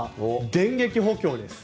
電撃補強です。